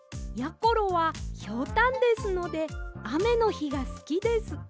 ころはひょうたんですのであめのひがすきです。